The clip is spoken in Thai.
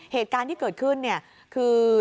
เหตุการณ์ที่เกิดขึ้นคือ